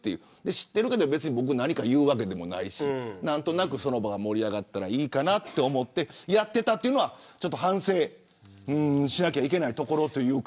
知ってるけど何か言うわけでもないし何となくその場が盛り上がったらいいかなと思ってやっていたというのはちょっと反省しなければいけないところというか。